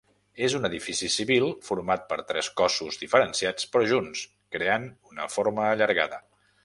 És un edifici civil format per tres cossos diferenciats però junts, creant una forma allargada.